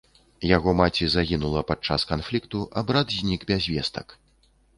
Яго маці загінула падчас канфлікту, а брат знік без вестак.